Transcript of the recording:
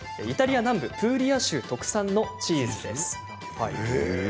イタリア南部プーリア州特産のチーズです。